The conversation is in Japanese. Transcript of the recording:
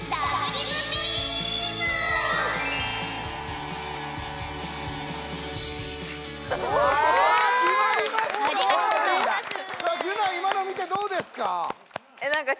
ギュナイ今の見てどうですか？